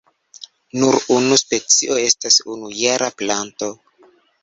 Nur unu specio estas unujara planto.